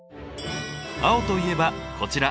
青といえばこちら。